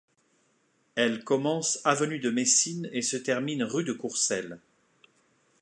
Elle commence avenue de Messine et se termine rue de Courcelles.